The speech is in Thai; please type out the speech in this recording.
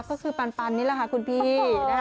ก็คือปันนี่แหละคุณพี่